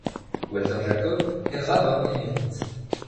Walter Jacob est rabbin émérites.